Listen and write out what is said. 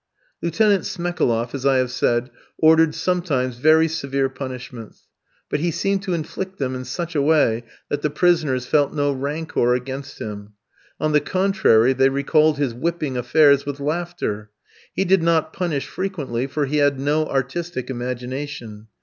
Lieutenant Smekaloff, as I have said, ordered sometimes very severe punishments. But he seemed to inflict them in such a way, that the prisoners felt no rancour against him. On the contrary, they recalled his whipping affairs with laughter; he did not punish frequently, for he had no artistic imagination.